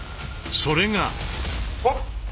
それが。